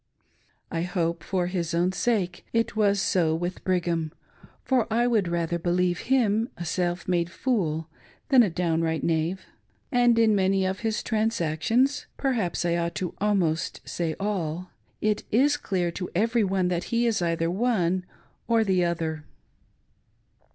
I hope, for his own sake, it was so with Brigham, for I would rather believe him a self made fool than a downright knave ; and in many of his transactions — perhaps I ought almost to say «//— it is clear to every one that he is either one or the other.